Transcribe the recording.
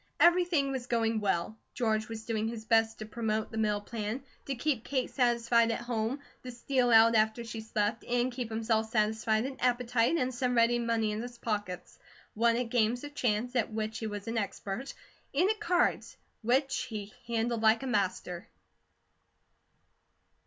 Everything was going well. George was doing his best to promote the mill plan, to keep Kate satisfied at home, to steal out after she slept, and keep himself satisfied in appetite, and some ready money in his pockets, won at games of chance, at which he was an expert, and at cards, which he handled like a master.